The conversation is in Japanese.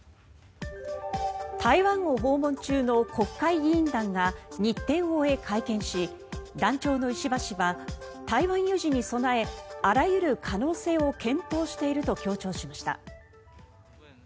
台湾を訪問中の国会議員団が日程を終え、会見し団長の石破氏は台湾有事に備えあらゆる可能性を検討していると強調しました。